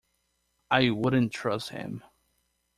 I wouldn't trust him.